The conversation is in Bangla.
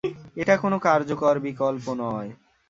এটা কোনো কার্যকর বিকল্প নয়।